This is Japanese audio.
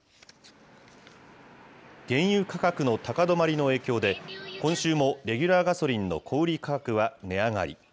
原油価格の高止まりの影響で、今週もレギュラーガソリンの小売り価格は値上がり。